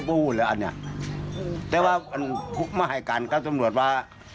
จริงว่าอันภุคมหาการกับตำรวจว่า